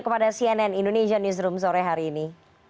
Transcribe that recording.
kepada cnn indonesia newsroom sore hari ini